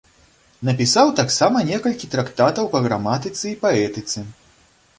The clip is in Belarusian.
Напісаў таксама некалькі трактатаў па граматыцы і паэтыцы.